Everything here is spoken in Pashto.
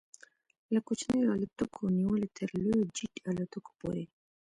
له کوچنیو الوتکو نیولې تر لویو جيټ الوتکو پورې